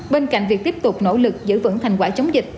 bên cạnh việc tiếp tục nỗ lực giữ vững thành quả chống dịch